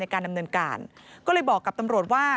การดำเนินการก็เลยบอกกับตำรวจว่า